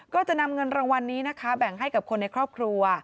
ก็จะนำเงินรางวัลนี้นะคะแบ่งให้กับคนในครอบครัว